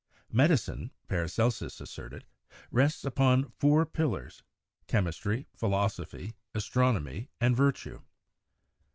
Medicine, Paracelsus asserted, rests upon four pillars, chemistry, philosophy, astronomy, and virtue.